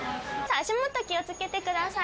足元、気をつけてください。